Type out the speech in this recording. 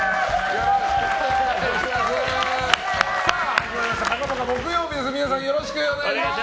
よろしくお願いします！